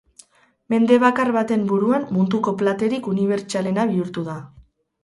Mende bakar baten buruan munduko platerik unibertsalena bihurtu da.